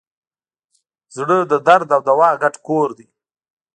زړه د درد او دوا ګډ کور دی.